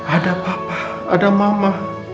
ada papa ada mama